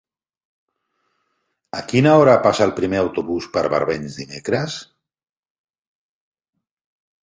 A quina hora passa el primer autobús per Barbens dimecres?